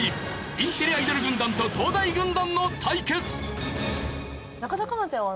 インテリアイドル軍団と東大軍団の対決。